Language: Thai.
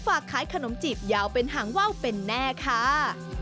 ฝากขายขนมจีบยาวเป็นหางว่าวเป็นแน่ค่ะ